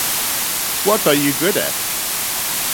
What are you good at?